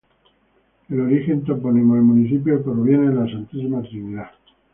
El origen del topónimo del municipio proviene de la Santísima Trinidad.